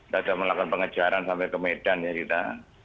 sudah melakukan pengejaran sampai ke medan ya kita